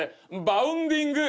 バウンディング